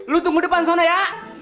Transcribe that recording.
lu tunggu depan sana ya